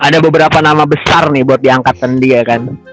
ada beberapa nama besar nih buat diangkatkan dia kan